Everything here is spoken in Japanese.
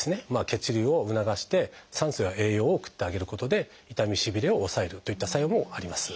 血流を促して酸素や栄養を送ってあげることで痛みしびれを抑えるといった作用もあります。